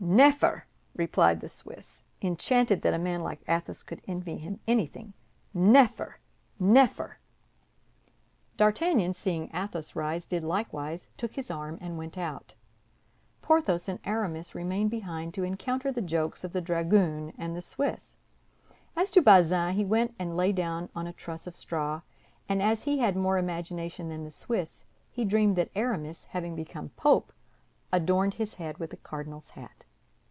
"Neffer," replied the Swiss, enchanted that a man like Athos could envy him anything. "Neffer, neffer!" D'Artagnan, seeing Athos rise, did likewise, took his arm, and went out. Porthos and Aramis remained behind to encounter the jokes of the dragoon and the Swiss. As to Bazin, he went and lay down on a truss of straw; and as he had more imagination than the Swiss, he dreamed that Aramis, having become pope, adorned his head with a cardinal's hat.